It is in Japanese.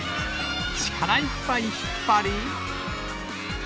力いっぱい引っ張り。